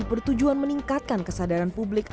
bertujuan meningkatkan kesadaran publik